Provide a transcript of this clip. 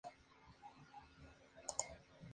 A los dieciocho años comenzó a trabajar en la radio.